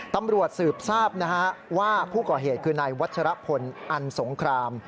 ตำรวจสืบทราบนะฮะว่าผู้ก่อเหตุคือนายวัชรพลอันสงคราม